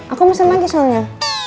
aku mesen lagi soalnya